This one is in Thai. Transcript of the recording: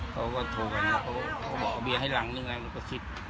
เขาก็โทรไปหมดเขาบอกเอาเบียงให้รังนึงแล้วก็คิด